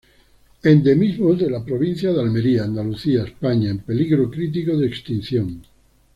Endemismo de la provincia de Almería, Andalucía, España, en peligro crítico de extinción.